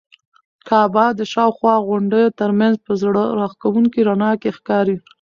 کعبه د شاوخوا غونډیو تر منځ په زړه راښکونکي رڼا کې ښکاري.